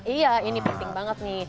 iya ini penting banget nih